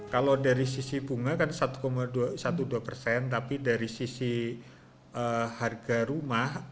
kalau dari sisi bunga kan satu dua belas persen tapi dari sisi harga rumah